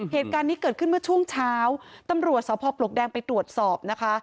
เหตุการณ์นี้เกิดขึ้นเมื่อช่วงเช้าตำรวจสพปลวกแดงไปตรวจสอบนะคะ